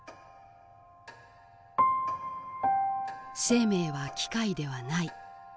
生命は機械ではない。